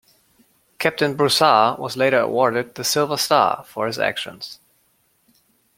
Captain Broussard was later awarded the Silver Star for his actions.